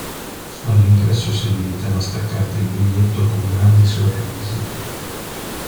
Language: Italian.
All'ingresso si limitano a staccarti il biglietto con grandi sorrisi.